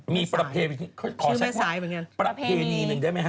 มีประเพณี